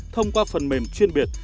thông qua phần mềm chuyên biệt